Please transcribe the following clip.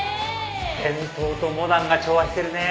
伝統とモダンが調和してるねえ。